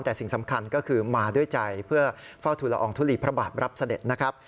แต่สิ่งสำคัญก็คือมาด้วยใจเพื่อเฝ้าทุลอองทุลีพระบาทรับเสด็จนะครับ